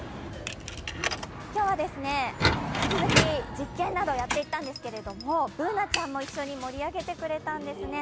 今日は引き続き実験などをやっていったんですけどＢｏｏｎａちゃんも一緒に盛り上げてくれたんですね。